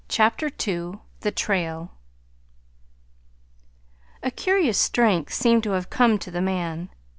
CHAPTER II THE TRAIL A curious strength seemed to have come to the man.